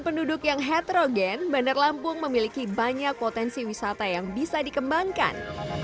penduduk yang heterogen bandar lampung memiliki banyak potensi wisata yang bisa dikembangkan